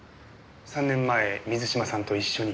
３年前水嶋さんと一緒に？